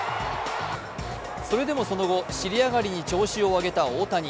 それでもその後、尻上がりに調子を上げた大谷。